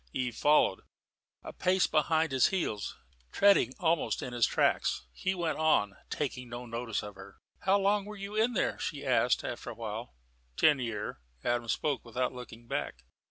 Eve followed, a pace behind his heels, treading almost in his tracks. He went on, taking no notice of her. "How long were you in there?" she asked, after a while. "Ten year'." Adam spoke without looking back.